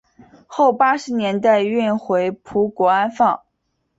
后八十年代运回葡国安放。